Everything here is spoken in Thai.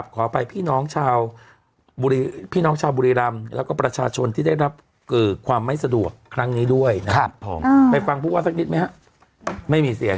ที่มีคนนี้เยอะบางทีก็คนก็จะจับตามองค่อนข้างพิเศษ